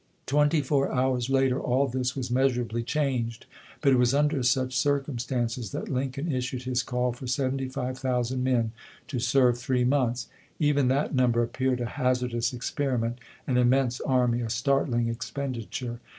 Twenty four hours later all this was measurably changed. But it was under such circumstances that Lincoln issued his call for seventy five thou sand men to serve three months. Even that num ber appeared a hazardous experiment — an immense army, a startling expenditm e.